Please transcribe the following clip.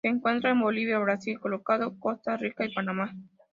Se encuentra en Bolivia, Brasil, Colorado, Costa Rica y Panamá.